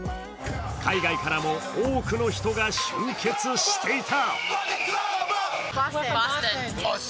海外からも多くの人が集結していた。